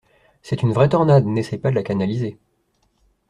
C'est une vraie tornade, n'essaie pas de la canaliser.